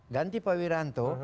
ganti pak wiranto